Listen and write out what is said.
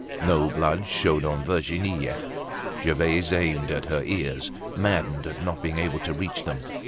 No blood showed on Virginie as yet. Gervaise aimed at her ears, maddened at not being able to reach them.